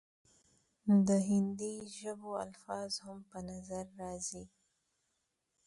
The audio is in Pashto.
د هندي ژبو الفاظ هم پۀ نظر راځي،